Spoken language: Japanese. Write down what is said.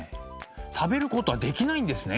食べることはできないんですね。